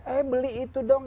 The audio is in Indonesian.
eh beli itu dong